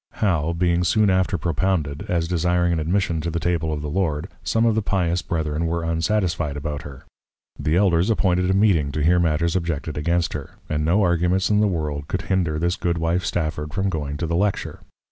How being soon after propounded, as desiring an Admission to the Table of the Lord, some of the pious Brethren were unsatisfy'd about her. The Elders appointed a Meeting to hear Matters objected against her; and no Arguments in the World could hinder this Goodwife Stafford from going to the Lecture.